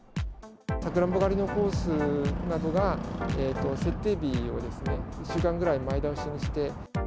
さくらんぼ狩りのコースなどが、設定日を１週間ぐらい前倒しにして。